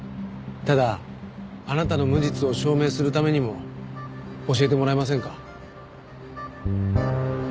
ただあなたの無実を証明するためにも教えてもらえませんか？